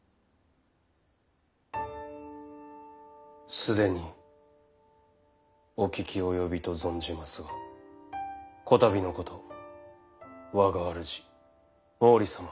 既にお聞き及びと存じますがこたびのこと我が主毛利様上杉。